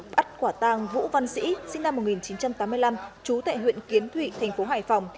bắt quả tàng vũ văn sĩ sinh năm một nghìn chín trăm tám mươi năm trú tại huyện kiến thụy thành phố hải phòng